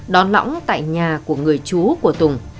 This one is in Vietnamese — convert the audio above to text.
đón lõng tại nhà của người chú của tùng